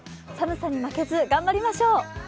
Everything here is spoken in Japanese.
寒さに負けず、頑張りましょう。